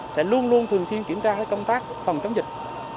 sẽ luôn luôn thường xuyên kiểm tra công tác phòng chống dịch